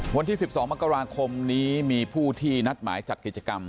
วันที่๑๒มกราคมนี้มีผู้ที่นัดหมายจัดกิจกรรม